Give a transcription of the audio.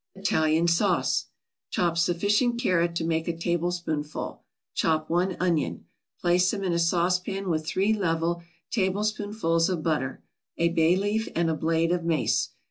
ITALIAN SAUCE Chop sufficient carrot to make a tablespoonful; chop one onion. Place them in a saucepan with three level tablespoonfuls of butter, a bay leaf and a blade of mace.